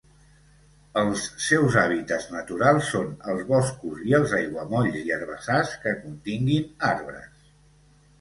Els seus hàbitats naturals són els boscos i els aiguamolls i herbassars que continguin arbres.